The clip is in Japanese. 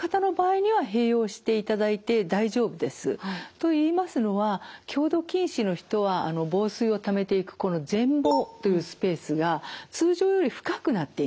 といいますのは強度近視の人は房水をためていくこの前房というスペースが通常より深くなっています。